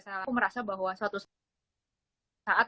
saya aku merasa bahwa suatu saat